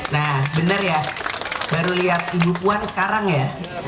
nah benar ya baru lihat ibu puan sekarang ya